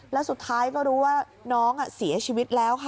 แล้วสุดท้ายก็รู้ว่าน้องเสียชีวิตแล้วค่ะ